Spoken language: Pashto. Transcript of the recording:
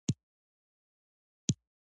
په افغانستان کې د کابل سیند تاریخ خورا اوږد دی.